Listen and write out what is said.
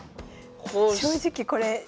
正直これ。